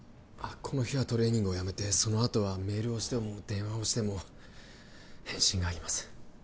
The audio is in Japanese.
この日はトレーニングをやめてそのあとはメールをしても電話をしても返信がありません